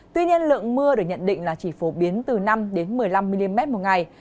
tuy nhiên lượng mưa được nhận định là chỉ phổ biến từ năm một mươi năm mm một ngày